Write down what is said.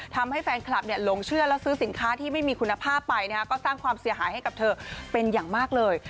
ทำให้แฟนคลับหลงเชื่อแล้วซื้อสินค้าที่ไม่มีคุณภาพไปก็สร้างความเสียหายให้กับเธอเป็นอย่างมากเลย